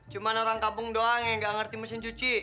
cuma orang kampung doang yang nggak ngerti mesin cuci